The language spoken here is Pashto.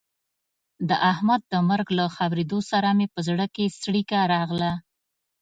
د احمد د مرګ له خبرېدو سره مې په زړه کې څړیکه راغله.